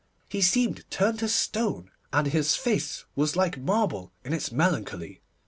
He seemed turned to stone, and his face was like marble in its melancholy.